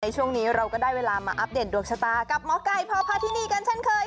ช่วงนี้เราก็ได้เวลามาอัปเดตดวงชะตากับหมอไก่พอพาทินีกันเช่นเคย